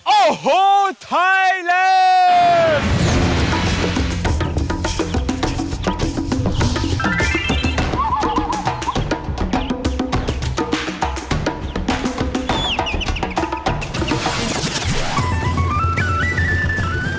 โอ้โฮไทยแล้ว